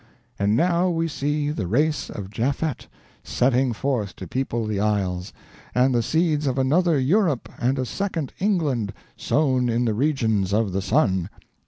. And now we see the race of Japhet setting forth to people the isles, and the seeds of another Europe and a second England sown in the regions of the sun.